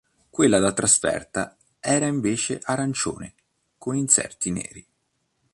Quella da trasferta era invece arancione, con inserti neri.